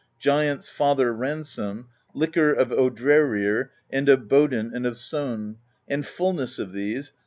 Giants' Father Ransom, Liquor of Odrerir and of Bodn and of Son, and Fullness of these.